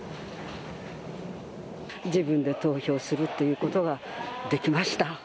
自分で投票するってことができました。